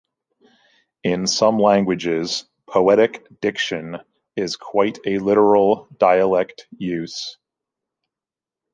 In some languages, "poetic diction" is quite a literal dialect use.